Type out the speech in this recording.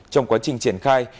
trong quá trình triển khai